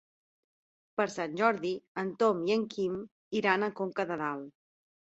Per Sant Jordi en Tom i en Quim iran a Conca de Dalt.